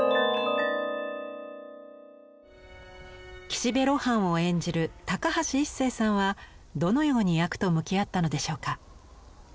岸辺露伴を演じる高橋一生さんはどのように役と向き合ったのでしょうか？